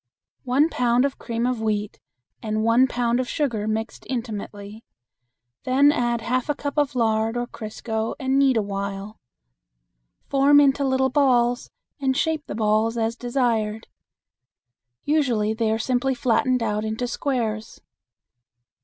One pound of cream of wheat and one pound of sugar mixed intimately; then add half a cup of lard or crisco and knead awhile. Form into little balls and shape the balls as desired. Usually they are simply flattened out into squares.